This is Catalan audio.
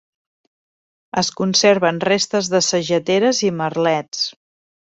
Es conserven restes de sageteres i merlets.